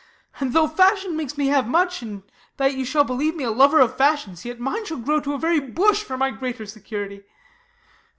And thougli fashion Makes me have much, and that you believe me A lover of fashions, yet mine shall grow To a very bush, for my greater security.